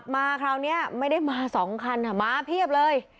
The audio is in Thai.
มาเพียบเลย